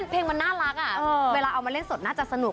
เพลงมันน่ารักเวลาเอามาเล่นสดน่าจะสนุก